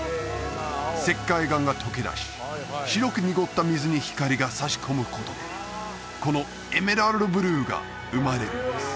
石灰岩が溶け出し白く濁った水に光が差し込むことでこのエメラルドブルーが生まれるんです